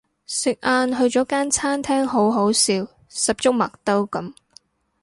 食晏去咗間餐廳好好笑十足麥兜噉